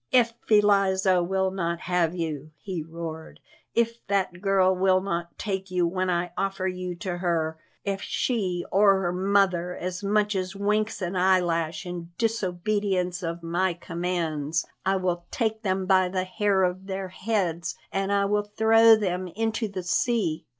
"If Eliza will not have you," he roared; "if that girl will not take you when I offer you to her; if she or her mother as much as winks an eyelash in disobedience of my commands, I will take them by the hair of their heads and I will throw them into the sea.